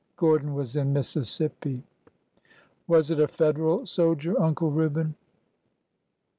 Gordon was in Mississippi. Was it a Federal soldier, Uncle Reuben